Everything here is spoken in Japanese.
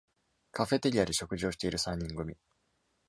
カフェテリアで食事をしている三人組み